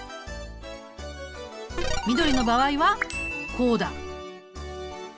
緑の場合はこうだ。